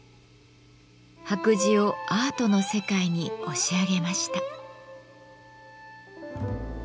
白磁をアートの世界に押し上げました。